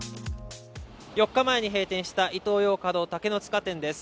４日前に閉店したイトーヨーカドー竹の塚店です。